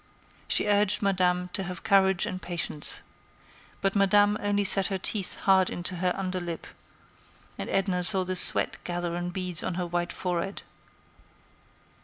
She urged Madame to have courage and patience. But Madame only set her teeth hard into her under lip, and Edna saw the sweat gather in beads on her white forehead.